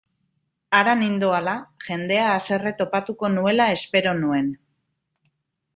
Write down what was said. Hara nindoala, jendea haserre topatuko nuela espero nuen.